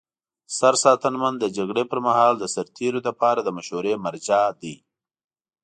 سرساتنمن د جګړې پر مهال د سرتیرو لپاره د مشورې مرجع دی.